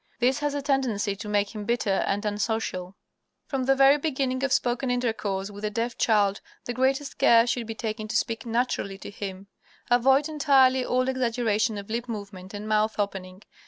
This has a tendency to make him bitter and unsocial. From the very beginning of spoken intercourse with the deaf child the greatest care should be taken to speak NATURALLY to him. Avoid entirely all exaggeration of lip movement and mouth opening.